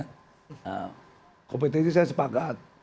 nah kompetisi saya sepakat